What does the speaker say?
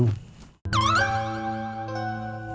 udah punya pacar baru